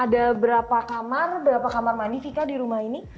ada berapa kamar berapa kamar mandi vika di rumah ini